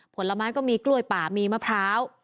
ผลไม้ก็มีกล้วยป่ามีมะพร้าว